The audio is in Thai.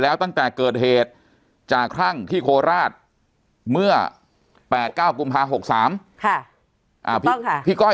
แล้วตั้งแต่เกิดเหตุจากครั่งที่โคราชเมื่อ๘๙กุมภา๖๓พี่ก้อย